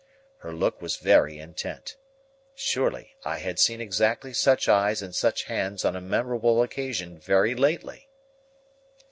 Her look was very intent. Surely, I had seen exactly such eyes and such hands on a memorable occasion very lately!